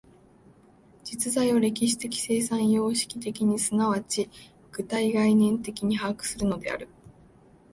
実在を歴史的生産様式的に即ち具体概念的に把握するのである。